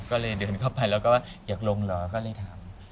ก็เลยเดินเข้าไปแล้วก็ว่าอยากลงเหรอก็เลยถาม